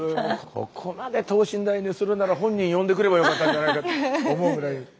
ここまで等身大にするなら本人呼んでくればよかったんじゃないかと思うぐらい。